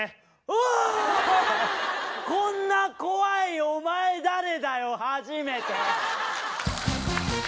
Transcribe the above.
こんな怖いお前誰だよ初めて。